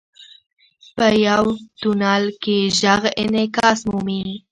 • په یو تونل کې ږغ انعکاس مومي.